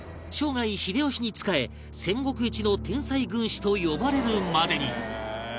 生涯秀吉に仕え戦国一の天才軍師と呼ばれるまでに